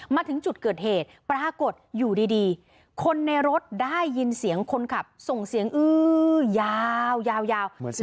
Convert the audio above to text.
มาถึงจุดเกิดเหตุปรากฏอยู่ดีคนในรถได้ยินเสียงคนขับส่งเสียงอื้อยาวยาว